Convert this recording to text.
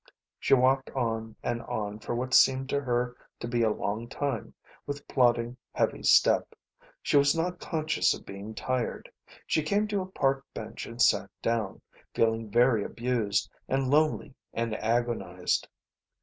She walked on and on for what seemed to her to be a long time, with plodding, heavy step. She was not conscious of being tired. She came to a park bench and sat down, feeling very abused, and lonely and agonized.